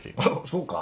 そうか？